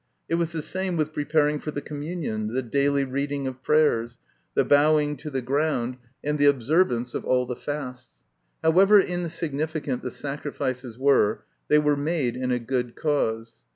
It was the same with preparing for the communion, the daily reading of prayers, the bowing to the ground, MY CONFESSION. 125 and the observance of all the fasts. However insignificant the sacrifices were, they were made in a good cause.